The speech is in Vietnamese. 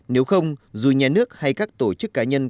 nếu không dù nhà nước hay các tổ chức cá nhân